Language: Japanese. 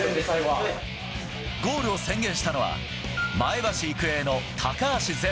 ゴールを宣言したのは、前橋育英の高足善。